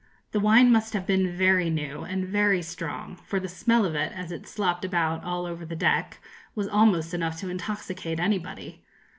The wine must have been very new and very strong, for the smell from it, as it slopped about all over the deck, was almost enough to intoxicate anybody.